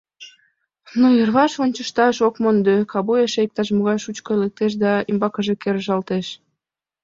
Но йырваш ончышташ ок мондо, кабуй эше иктаж-могай шучко лектеш да ӱмбакыже кержалтеш.